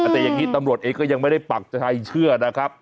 แต่อย่างนี้ตำรวจเองก็ยังไม่ได้ปักใจเชื่อนะครับ